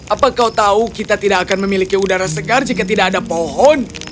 apa kau tahu kita tidak akan memiliki udara segar jika tidak ada pohon